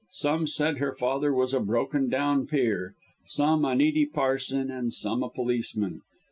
Some said her father was a broken down peer; some, a needy parson, and some, a policeman!